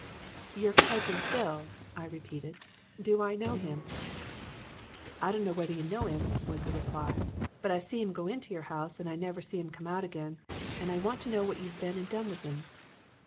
"'Your cousin Bill,' I repeated. 'Do I know him?' "'I dunno whether you know 'im,' was the reply, 'but I see 'im go into your house and I never see 'im come out agin, and I want to know what you've been and done with 'im.'